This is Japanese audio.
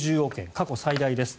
過去最大です。